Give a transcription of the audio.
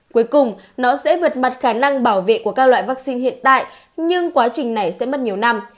cuối cùng nó sẽ vượt mặt khả năng bảo vệ của các loại vaccine hiện tại nhưng quá trình này sẽ mất nhiều năm